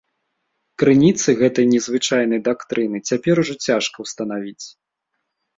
Крыніцы гэтай незвычайнай дактрыны цяпер ужо цяжка ўстанавіць.